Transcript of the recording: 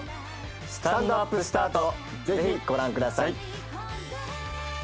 『スタンドＵＰスタート』ぜひご覧ください。